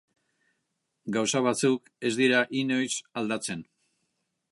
Gauza batzuk ez dira inoiz aldatzen.